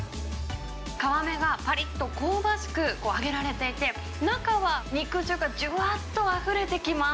皮目がぱりっと香ばしく揚げられていて、中は肉汁がじゅわっとあふれてきます。